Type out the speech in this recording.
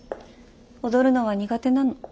踊るのは苦手なの。